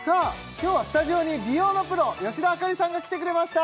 今日はスタジオに美容のプロ吉田朱里さんが来てくれました